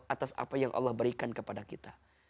atas apa yang allah berikan kepada kita